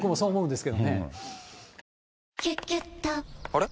あれ？